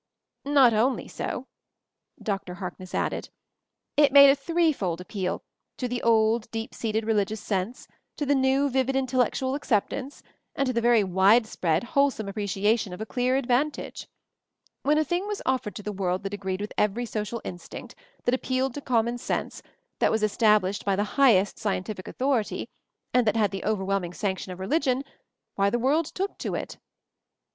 "Not only so," Dr. Harkness added, "it made a three fold appeal; to the old, deep seated religious sense; to the new, vivid in tellectual acceptance ; and to the very wide spread, wholesome appreciation of a clear advantage. 136 MOVING THE MOUNTAIN "When a thing was offered to the world that agreed with every social instinct, that appealed to common sense, that was estab lished by the highest scientific authority, and that had the overwhelming sanction of re ligion — why the world took to it."